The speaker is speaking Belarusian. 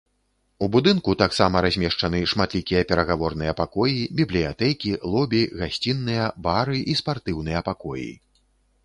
У будынку таксама размешчаны шматлікія перагаворныя пакоі, бібліятэкі, лобі, гасціныя, бары і спартыўныя пакоі.